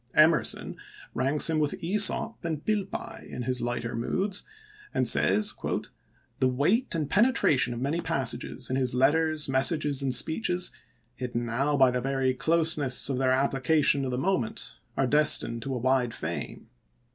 Emerson ranks him with iEsop and Pilpay in his lighter moods, and says :" The weight and penetration of many passages in his letters, messages, and speeches, hidden now by the very closeness of their application to the moment, are destined to a wide fame.